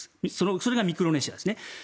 それがミクロネシアですね。